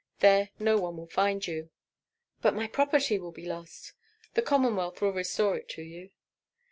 There no one will find you." "But my property will be lost." "The Commonwealth will restore it to you."